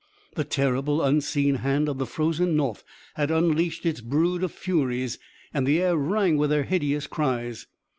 The terrible, unseen hand of the Frozen North had unleashed its brood of furies, and the air rang with their hideous cries.